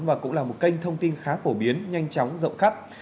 và cũng là một kênh thông tin khá phổ biến nhanh chóng rộng khắp